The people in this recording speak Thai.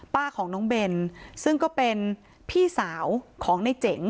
ป้าของน้องเบนซึ่งก็เป็นพี่สาวของในเจ๋ง